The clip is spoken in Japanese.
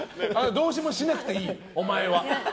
どうもしなくていいよ、お前は。